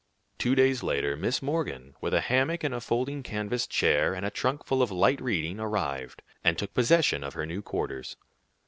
Two days later Miss Morgan, with a hammock and a folding canvas chair and a trunk full of light reading, arrived, and took possession of her new quarters.